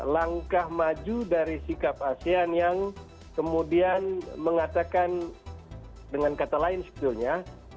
langkah maju dari sikap asean yang kemudian mengatakan dengan kata lain sebetulnya